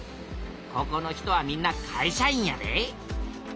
ここの人はみんな会社員やで。